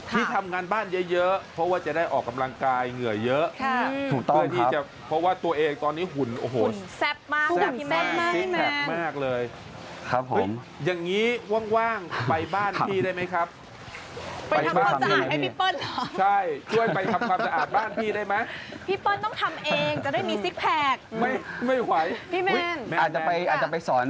ที่ทำงานบ้านเยอะเพราะว่าจะได้ออกกำลังกายเหงื่อเยอะ